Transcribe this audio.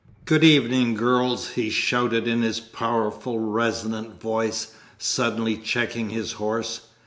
'Good evening, girls!' he shouted in his powerful, resonant voice, suddenly checking his horse.